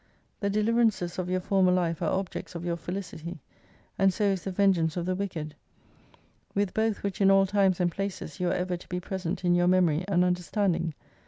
The deliverances of your former life are objects of your felicity, and so is the vengeance of the wicked. \)0^ith both which in all times and places you are ever to be present in your memory and under standing.